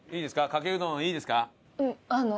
かけうどんいいですか？